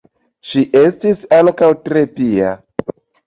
Ŝi estis ankaŭ tre pia.